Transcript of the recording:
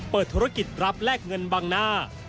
เปิดธุรกิจรับแลกเงินบางหน้า